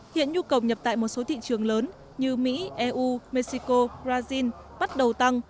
hiện nhu cầu nhập tại một số thị trường lớn như mỹ eu mexico brazil bắt đầu tăng